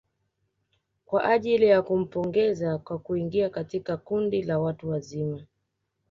Kwa ajili ya kumpongeza kwa kuingia katika kundi la watu wazima